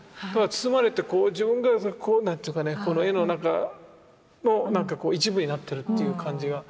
包まれてこう自分がこう何ていうかねこの絵のなんか一部になってるという感じが。